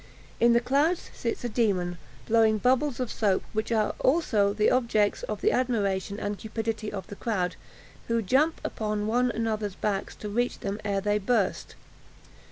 In the clouds sits a demon, blowing bubbles of soap, which are also the objects of the admiration and cupidity of the crowd, who jump upon one another's backs to reach them ere they burst.